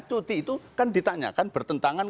cuti itu kan ditanyakan bertentangan